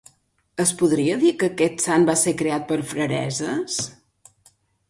Es podria dir que aquest sant va ser creat per fraresses?